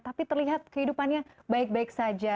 tapi terlihat kehidupannya baik baik saja